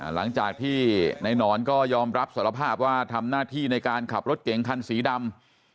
หลังจากที่ในหนอนก็ยอมรับสารภาพว่าทำหน้าที่ในการขับรถเก่งคันสีดำ